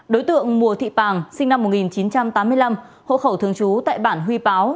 đối tượng mùa thị pàng sinh năm một nghìn chín trăm tám mươi năm hộ khẩu thường trú tại bản huy báo